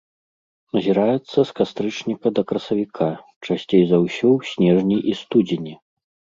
Назіраецца з кастрычніка да красавіка, часцей за ўсё ў снежні і студзені.